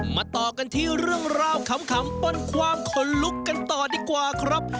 มาต่อกันที่เรื่องราวขำปนความขนลุกกันต่อดีกว่าครับ